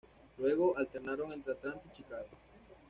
Luego alternaron entre Atlanta y Chicago.